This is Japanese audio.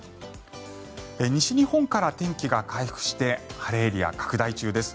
西日本から天気が回復して晴れエリア、拡大中です。